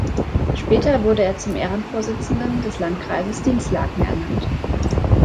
Später wurde er zum Ehrenvorsitzenden des Landkreises Dinslaken ernannt.